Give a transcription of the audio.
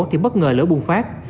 thì bất ngờ lửa bùng phát